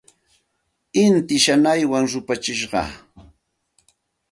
Inti shanaywan rupachishqa.